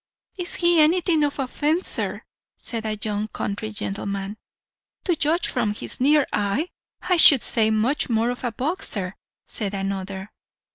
"'Is he anything of a fencer?' said a young country gentleman. "'To judge from his near eye, I should say much more of a boxer,' said another.